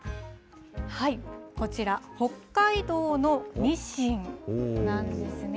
こちら、北海道のニシンなんですね。